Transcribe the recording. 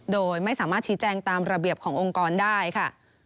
โดยไม่สามารถชี้แจงตามระเบียบขององค์กรได้ค่ะ